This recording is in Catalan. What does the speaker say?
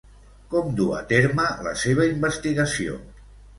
Com du a terme la seva investigació?